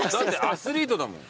アスリートだもん。